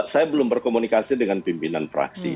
saya belum berkomunikasi dengan pimpinan fraksi